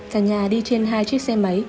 cả nhà đi trên hai chiếc xe máy